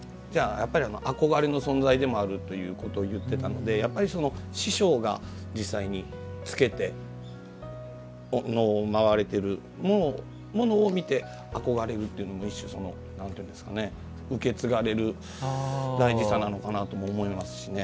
やっぱり憧れの存在でもあるということを言っていたのでやっぱり、師匠が実際につけて能を舞われてるものを見て憧れるっていうのも一種受け継がれる大事さなのかなとも思いますしね。